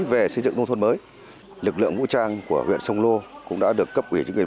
về xây dựng nông thôn mới lực lượng vũ trang của huyện sông lô cũng đã được cấp ủy chính quyền